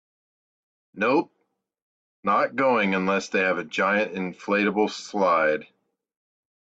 Nope, not going unless they have a giant inflatable slide.